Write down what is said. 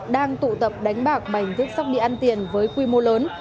đang tụ tập đánh bạc bằng hình thức sóc địa ăn tiền với quy mô lớn